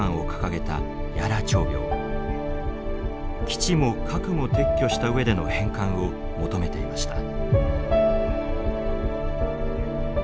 基地も核も撤去した上での返還を求めていました。